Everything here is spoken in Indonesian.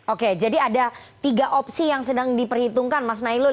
oke jadi ada tiga opsi yang sedang diperhitungkan mas nailul